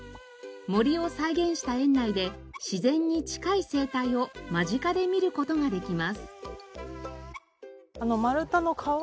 森を再現した園内で自然に近い生態を間近で見る事ができます。